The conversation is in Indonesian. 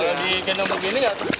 kalau digendong begini tidak besar besar